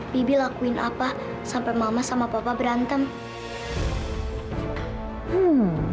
bibi lakuin apa sampai mama sama papa berantem